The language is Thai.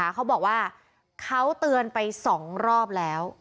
เขาบอกว่าเขาเตือนไป๒รอบแล้ว